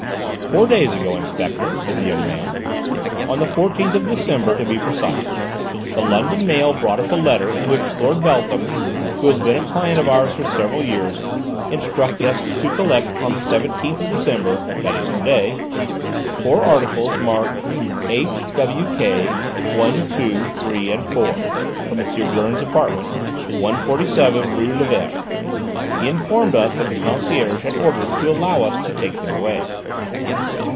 "Four days ago, Inspector," said the young man, "on the 14th of December to be precise, the London mail brought us a letter in which Lord Beltham, who had been a client of ours for several years, instructed us to collect, on the 17th of December, that is, to day, four articles marked H. W. K., 1, 2, 3 and 4, from M. Gurn's apartments, 147 rue Lévert. He informed us that the concierge had orders to allow us to take them away."